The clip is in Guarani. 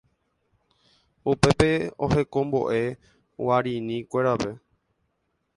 upépe ohekombo'e Guarinikuérape